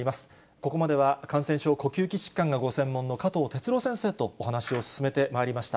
ここまでは感染症、呼吸器疾患がご専門の加藤哲朗先生と、お話を進めてまいりました。